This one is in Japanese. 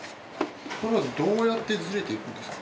これはどうやってずれていくんですか？